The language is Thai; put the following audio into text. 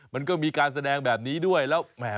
มันก็มีการแสดงแบบนี้ด้วยแล้วแหม